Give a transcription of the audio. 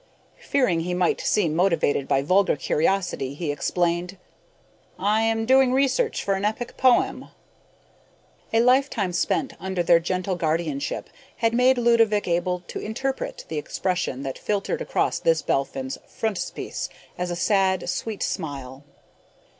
Fearing he might seem motivated by vulgar curiosity, he explained, "I am doing research for an epic poem." A lifetime spent under their gentle guardianship had made Ludovick able to interpret the expression that flitted across this Belphin's frontispiece as a sad, sweet smile.